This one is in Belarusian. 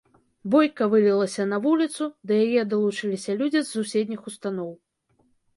Бойка вылілася на вуліцу, да яе далучыліся людзі з суседніх устаноў.